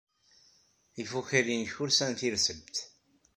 Ifukal-nnek ur sɛin tirselt.